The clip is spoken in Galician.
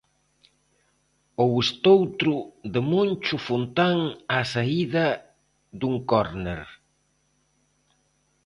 Ou estoutro de Moncho Fontán á saída dun córner.